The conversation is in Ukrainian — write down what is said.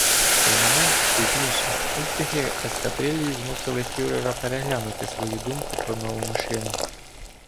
Тим не менш, пізніше, успіхи ескадрильї змусили фюрера переглянути свою думку про нову машину.